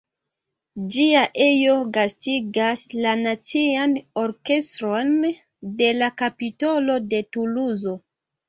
Ĝia ejo gastigas la Nacian orkestron de la Kapitolo de Tuluzo.